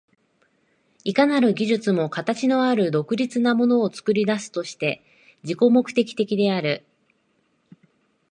いかなる技術も形のある独立なものを作り出すものとして自己目的的である。